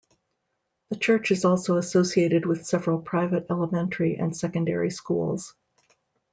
The church is also associated with several private elementary and secondary schools.